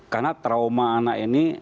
karena trauma anak ini